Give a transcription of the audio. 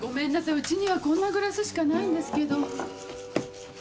うちにはこんなグラスしかないんですけど。